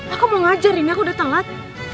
aku mau ngajar ini aku datang lah